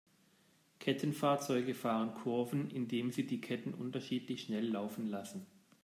Kettenfahrzeuge fahren Kurven, indem sie die Ketten unterschiedlich schnell laufen lassen.